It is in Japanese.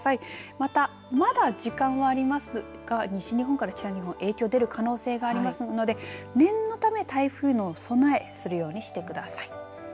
また、まだ時間はありますが西日本から北日本、影響が出る可能性がありますので念のため台風への備えをするようにしてください。